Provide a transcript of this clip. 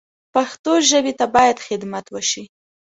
پښتو ژبې ته باید خدمت وشي